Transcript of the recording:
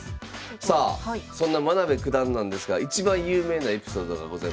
さあそんな真部九段なんですが一番有名なエピソードがございます。